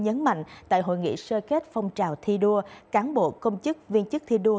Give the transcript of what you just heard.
nhấn mạnh tại hội nghị sơ kết phong trào thi đua cán bộ công chức viên chức thi đua